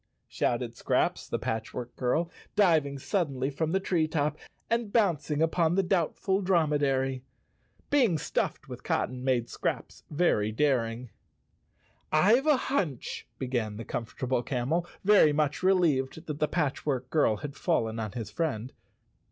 " shouted Scraps, the Patchwork Girl, diving suddenly from the tree top and bouncing upon the Doubtful Dromedary. Being stuffed with cotton made Scraps very daring. 105 The Cowardly Lion of Oz _ "I've a hunch," began the Comfortable Camel, very much relieved that the Patchwork Girl had fallen on his friend.